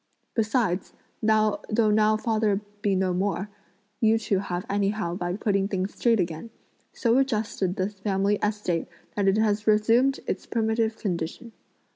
Besides, though now father be no more, you two have anyhow by putting things straight again, so adjusted the family estate that it has resumed its primitive condition.